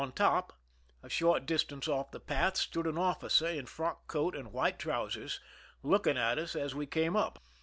On top, a short distance off the path, stood an officer in frock coat and white trousers, looking at us as we came up.